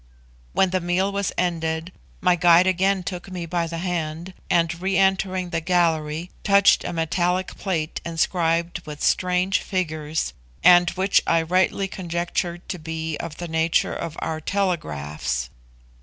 When the meal was ended, my guide again took me by the hand, and, re entering the gallery, touched a metallic plate inscribed with strange figures, and which I rightly conjectured to be of the nature of our telegraphs.